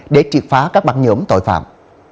để triệt phá các băng nhổm tội phạm